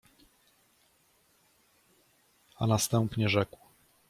A następnie rzekł.